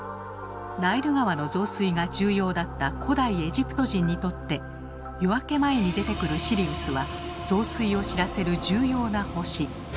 ナイル川の増水が重要だった古代エジプト人にとって夜明け前に出てくるシリウスは増水を知らせる重要な星。